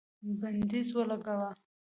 بندیز ولګاوه